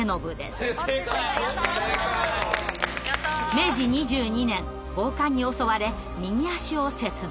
明治２２年暴漢に襲われ右足を切断。